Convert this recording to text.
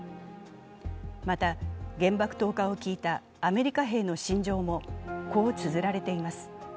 また、原爆投下を聞いたアメリカ兵の心情も、こうつづられています。